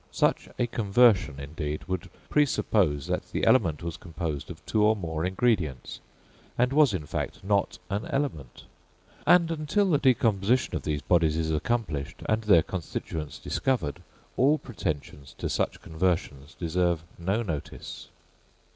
Such a conversion, indeed, would presuppose that the element was composed of two or more ingredients, and was in fact not an element; and until the decomposition of these bodies is accomplished, and their constituents discovered, all pretensions to such conversions deserve no notice.